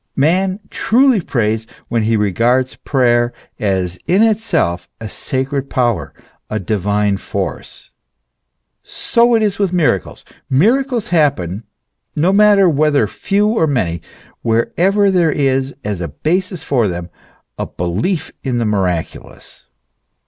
Man truly prays when he regards prayer as in itself a sacred power, a divine force. So it is with miracles. Miracles happen no matter whether few or many wherever there is, as a basis for them, a belief in the miraculous.